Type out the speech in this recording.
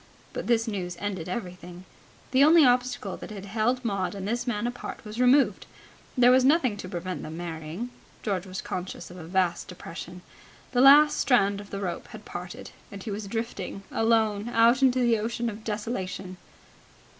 But this news ended everything. The only obstacle that had held Maud and this man apart was removed. There was nothing to prevent them marrying. George was conscious of a vast depression. The last strand of the rope had parted, and he was drifting alone out into the ocean of desolation.